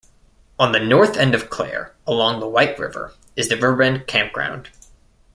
On the north end of Clare, along the White River, is The Riverbend Campground.